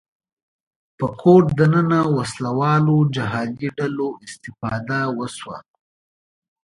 په کور دننه وسله والو جهادي ډلو استفاده وشوه